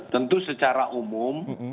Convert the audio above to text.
tentu secara umum